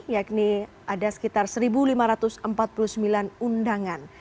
yakni ada sekitar satu lima ratus empat puluh sembilan undangan